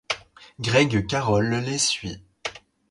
Greg Carroll les suit.